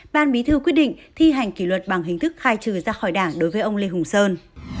ban bí thư quyết định thi hành kỷ luật bằng hình thức khai trừ ra khỏi đảng đối với ông lê hùng sơn